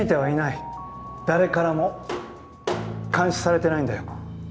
誰からも監視されてないんだよ。